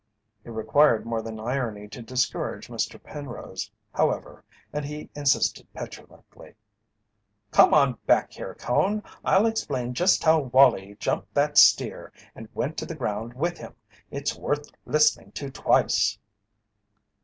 It required more than irony to discourage Mr. Penrose, however, and he insisted petulantly: "Come on back here, Cone! I'll explain just how Wallie jumped that steer and went to the ground with him. It's worth listening to twice."